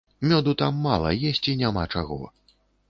Мёду там мала, есці няма чаго.